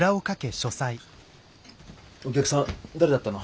お客さん誰だったの？